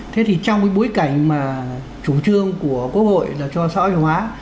thế thì trong cái bối cảnh mà chủ trương của quốc hội là cho sợi hóa